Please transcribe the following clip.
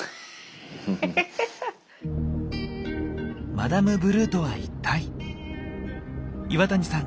マダムブルーとは一体⁉岩谷さん